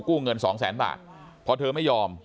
เงินสองแสนบาทพอเธอไม่ยอม